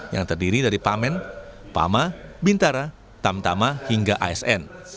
yang terdiri dari pamen pama bintara tamtama hingga asn